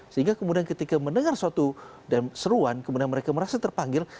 sehingga kemudian ketika mendengar suatu seruan kemudian mereka merasa terpanggil